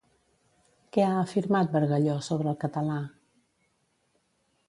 Què ha afirmat Bargalló sobre el català?